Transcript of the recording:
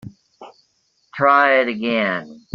Try it again.